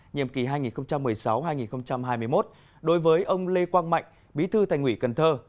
nhiệm kỳ hai nghìn một mươi sáu hai nghìn hai mươi một đối với ông lê quang mạnh bí thư thành ủy cần thơ